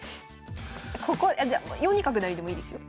ここ４二角成でもいいですよ。